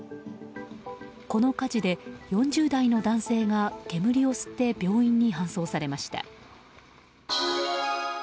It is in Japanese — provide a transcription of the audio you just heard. この火事で、４０代の男性が煙を吸って病院に搬送されました。